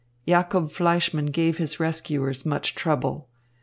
Jacob Fleischmann gave his rescuers much trouble.